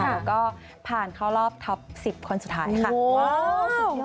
หนูก็ผ่านเข้ารอบท็อป๑๐คนสุดท้ายค่ะ